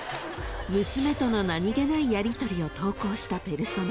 ［娘との何げないやりとりを投稿したペルソナ］